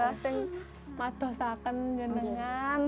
saya sudah lama saja belajar